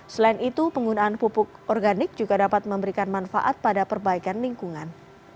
selain itu penggunaan pupuk organik juga dapat memberikan manfaat pada perbaikan lingkungan